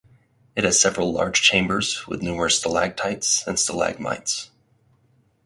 It has several large chambers with numerous stalactites and stalagmites.